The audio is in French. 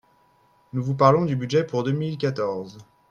Nous vous parlons du budget pour deux mille quatorze